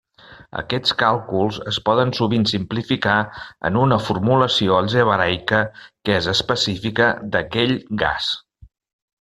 Aquests càlculs es poden sovint simplificar en una formulació algebraica que és específica d'aquell gas.